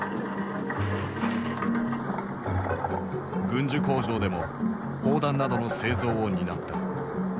軍需工場でも砲弾などの製造を担った。